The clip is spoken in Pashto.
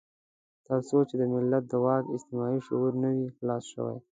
تر څو چې د ملت د واک اجتماعي شعور نه وي خلاص شوی.